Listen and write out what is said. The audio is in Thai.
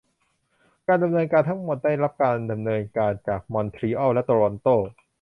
การดำเนินการทั้งหมดได้รับการดำเนินการจากมอนทรีออลและโตรอนโต